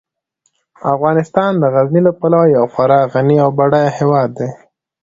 افغانستان د غزني له پلوه یو خورا غني او بډایه هیواد دی.